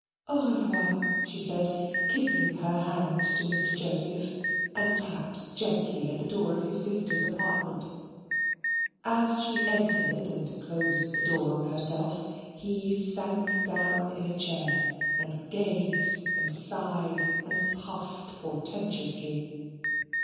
"Au revoir," she said, kissing her hand to Mr. Joseph, and tapped gently at the door of his sister's apartment. As she entered and closed the door on herself, he sank down in a chair, and gazed and sighed and puffed portentously.